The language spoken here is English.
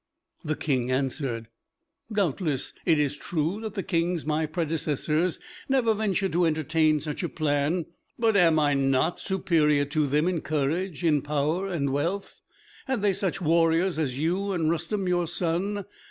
The King answered, "Doubtless it is true that the kings my predecessors never ventured to entertain such a plan. But am I not superior to them in courage, in power and wealth? Had they such warriors as you, and Rustem your son?